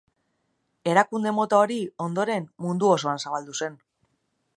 Erakunde mota hori ondoren mundu osoan zabaldu zen.